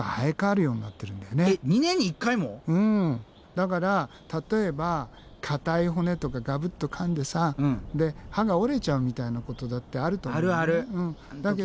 だから例えば硬い骨とかガブッと噛んでさ歯が折れちゃうみたいなことだってあると思うんだけど。